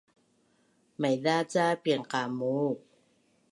maiza ca pinqamuu